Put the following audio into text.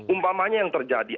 umpamanya yang terjadi